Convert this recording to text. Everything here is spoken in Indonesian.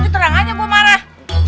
terangannya gue marah